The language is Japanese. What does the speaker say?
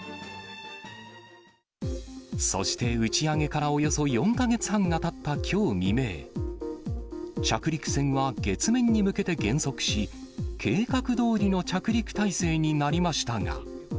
そして打ち上げからおよそ４か月半がたったきょう未明、着陸船は月面に向けて減速し、計画どおりの着陸態勢になりましたが。